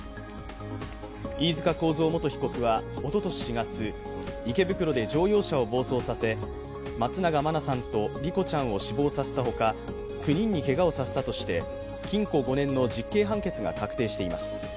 飯塚幸三元被告はおととし４月、池袋で乗用車を暴走させ、松永真菜さんと莉子ちゃんを死亡させたほか、９人にけがをさせたとして禁錮５年の実刑判決が確定しています。